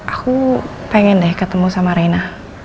aku pengen deh ketemu sama reina